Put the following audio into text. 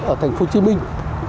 ở thành phố hồ chí minh